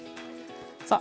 さあ